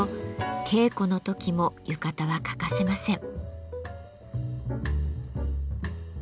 稽古の時も浴衣は欠かせません。